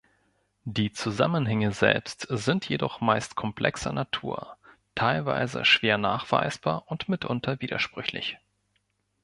Die Zusammenhänge selbst sind jedoch meist komplexer Natur, teilweise schwer nachweisbar und mitunter widersprüchlich.